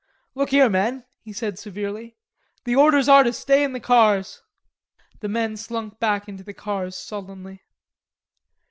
"Look here, men," he said severely, "the orders are to stay in the cars." The men slunk back into the cars sullenly.